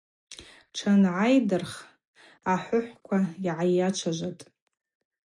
Тшангӏайдырх ахӏвыхӏвква гӏайачважватӏ.